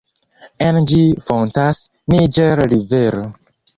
En ĝi fontas Niĝer-rivero.